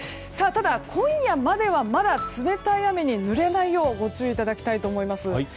ただ、今夜まではまだ冷たい雨に濡れないようご注意いただきたいと思います。